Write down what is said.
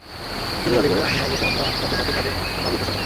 মুক্তিযুদ্ধ জাদুঘরের আঙিনায় বসে আমরা জানতে থাকি তাঁদের নানা অভিজ্ঞতার কথা।